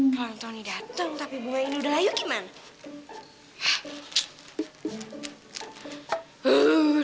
kalau antoni dateng tapi bu maen udah layu gimana